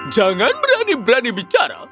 jangan berani berani bicara